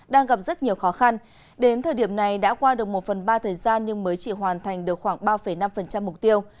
đang gặp rất nhiều khó khăn đến thời điểm này đã qua được một phần ba thời gian nhưng mới chỉ hoàn thành được khoảng ba năm mục tiêu